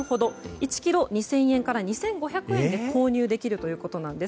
１ｋｇ２０００円から２５００円で購入できるということです。